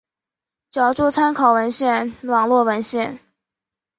脚注参考文献网络文献